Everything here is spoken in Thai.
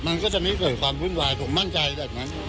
มันก็จะไม่เกิดความวุ่นวายผมมั่นใจแบบนั้น